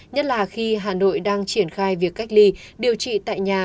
nhất là khi hà nội đang triển khai việc cách ly điều trị tại nhà